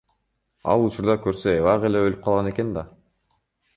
Ал учурда көрсө эбак эле өлүп калган экен да.